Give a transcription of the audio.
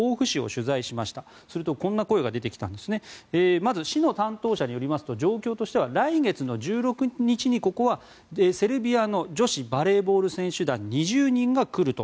まず、市の担当者によりますと状況としては来月の１６日にここはセルビアの女子バレーボール選手団２０人が来ると。